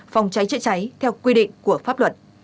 phòng cháy chữa cháy theo quy định của pháp luật